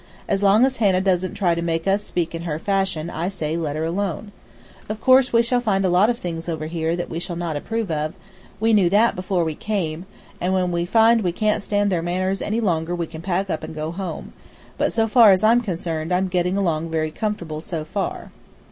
As long as Hannah doesn't try to make us speak in her fashion I say let her alone. Of course, we shall find a lot of things over here that we shall not approve of we knew that before we came and when we find we can't stand their ways and manners any longer we can pack up and go home, but so far as I'm concerned I'm getting along very comfortable so far."